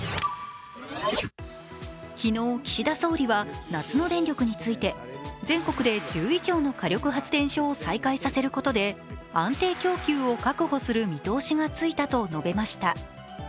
昨日、岸田総理は夏の電力について全国で１０以上の火力発電所を再開させることで安定供給を確保する見通しがついたと述べました。